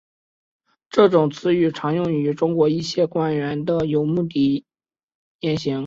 这个词语常用于中国一些官员的有目的言行。